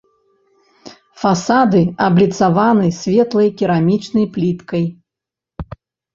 Фасады абліцаваны светлай керамічнай пліткай.